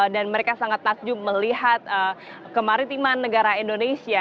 dan mereka sangat takjub melihat kemaritiman negara indonesia